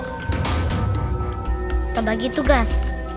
kita bagi tugas